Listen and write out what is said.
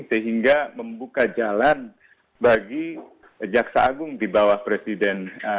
sehingga membuka jalan bagi jaksa agung di bawah presiden